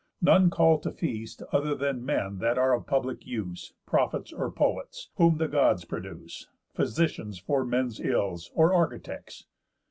None call to feast Other than men that are of public use, Prophets, or poets, whom the Gods produce, Physicians for men's ills, or architects.